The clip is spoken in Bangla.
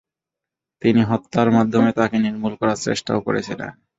তিনি হত্যার মাধ্যমে তাকে নির্মূল করার চেষ্টাও করেছিলেন।